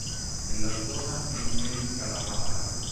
Nella zona è endemica la malaria.